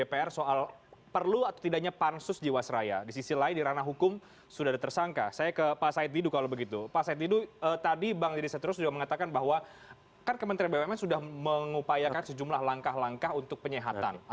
pentingnya saya begini saja adalah